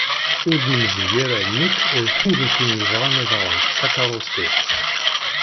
Ur d-nemzeg ara nekk d tid akken yebɣan ad aɣent takerrust-iw.